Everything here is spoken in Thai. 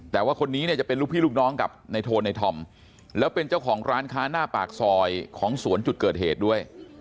แต่ว่าคนนี้เนี่ยจะเป็นลูกพี่ลูกน้องกับในโทนในธอมแล้วเป็นเจ้าของร้านค้าหน้าปากซอยของสวนจุดเกิดเหตุด้วย